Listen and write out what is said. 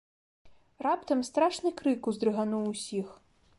Раптам страшны крык уздрыгануў усіх.